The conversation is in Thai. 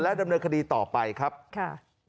ดำเนินคดีต่อไปครับค่ะ